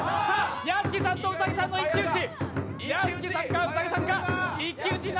屋敷さんと兎さんの一騎打ち。